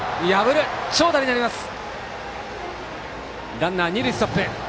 ランナー、二塁ストップ。